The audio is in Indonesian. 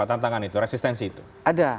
tantangan itu resistensi itu ada